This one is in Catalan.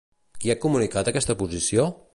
Qui ha comunicat aquesta posició?